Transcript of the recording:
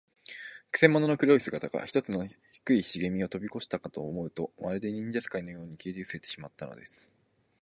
くせ者の黒い姿が、ひとつの低いしげみをとびこしたかと思うと、まるで、忍術使いのように、消えうせてしまったのです。